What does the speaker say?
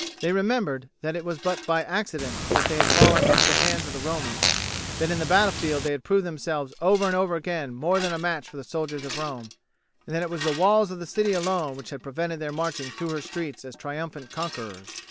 They remembered that it was but by accident that they had fallen into the hands of the Romans, that in the battlefield they had proved themselves over and over again more than a match for the soldiers of Rome, and that it was the walls of the city alone which had prevented their marching through her streets as triumphant conquerors.